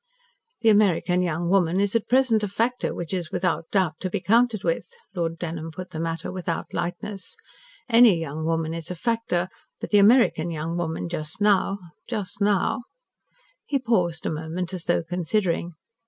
"The American young woman is at present a factor which is without doubt to be counted with," Lord Dunholm put the matter without lightness. "Any young woman is a factor, but the American young woman just now just now " He paused a moment as though considering.